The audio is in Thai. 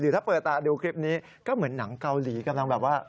ถ้าเปิดตาดูคลิปนี้ก็เหมือนหนังเกาหลีกำลังแบบว่า